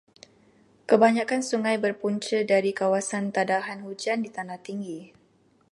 Kebanyakan sungai berpunca dari kawasan tadahan hujan di tanah tinggi.